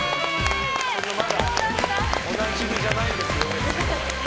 まだおなじみじゃないですよ。